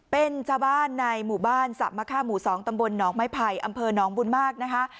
เป็นชาวบ้านในหมู่บ้านสะมะค่าหมู่๒ตำบลหนองไม้ไผ่อำเภอหนองบุญมากนะคะ